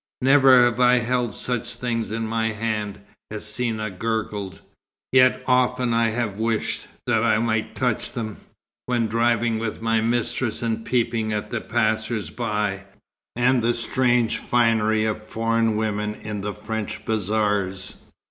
"Never have I held such things in my hands!" Hsina gurgled. "Yet often have I wished that I might touch them, when driving with my mistress and peeping at the passers by, and the strange finery of foreign women in the French bazaars."